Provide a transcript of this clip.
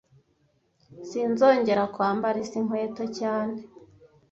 Sinzongera kwambara izi nkweto cyane